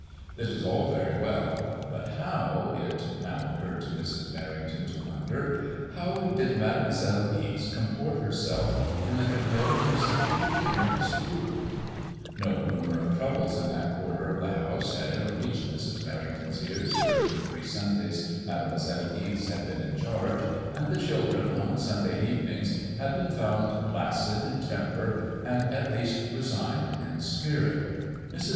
This was all very well, but hoW| it now occurred to Mrs. Mer rington to wonder, how did 7 94 ISADXMOISSLLK IXE. Mademoiselle Ixe comport her self in the comparative seclusion of the schoolroom 7 No rumour of troubles in that quarter of the house had ever reached Mrs. Merrington's ears during the three Sundays Mademoiselle Ixe had been in chaiigCp and the children, on Sunday evenings, had been found placid in temper^ and at least resigned in spirit. Mrs.